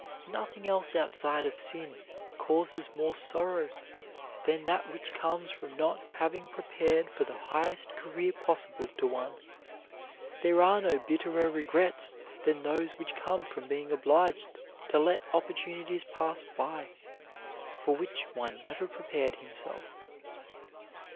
Nothing else outside of sin causes more sorrow than that which comes from not having prepared for the highest career possible to one. There are no bitterer regrets than those which come from being obliged to let opportunities pass by for which one never prepared himself.